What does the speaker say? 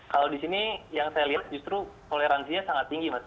kalau di sini yang saya lihat justru toleransinya sangat tinggi mas